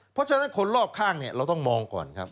เพราะฉะนั้นคนรอบข้างเนี่ยเราต้องมองก่อนครับ